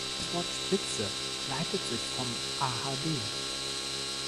Das Wort Spitze leitet sich vom ahd.